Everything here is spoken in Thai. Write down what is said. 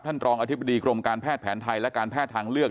รองอธิบดีกรมการแพทย์แผนไทยและการแพทย์ทางเลือก